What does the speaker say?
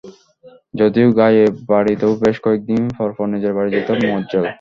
যদিও গাঁয়েই বাড়ি তবু বেশ কয়েক দিন পরপর নিজের বাড়ি যেত মজ্জেল।